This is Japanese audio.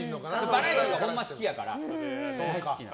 バラエティーがほんま好きやから。